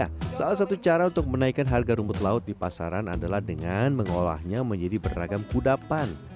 nah salah satu cara untuk menaikkan harga rumput laut di pasaran adalah dengan mengolahnya menjadi beragam kudapan